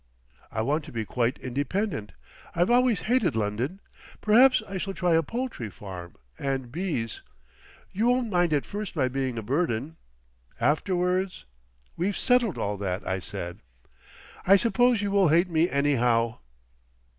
"I want to be quite independent. I've always hated London. Perhaps I shall try a poultry farm and bees. You won't mind at first my being a burden. Afterwards—" "We've settled all that," I said. "I suppose you will hate me anyhow..."